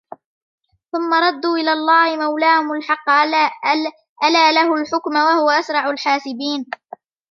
ثم ردوا إلى الله مولاهم الحق ألا له الحكم وهو أسرع الحاسبين